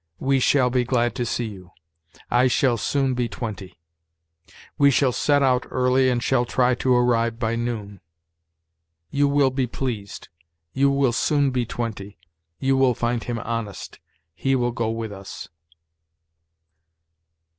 "We shall be glad to see you." "I shall soon be twenty." "We shall set out early, and shall try to arrive by noon." "You will be pleased." "You will soon be twenty." "You will find him honest." "He will go with us."